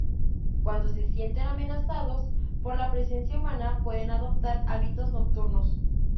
Cuando se sienten amenazados por la presencia humana, pueden adoptar hábitos nocturnos.